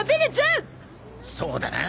そうだな。